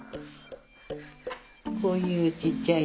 こういうちっちゃい。